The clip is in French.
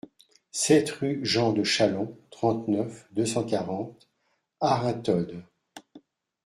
sept rue Jean de Chalon, trente-neuf, deux cent quarante, Arinthod